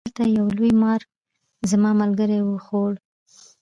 هلته یو لوی مار زما ملګری و خوړ.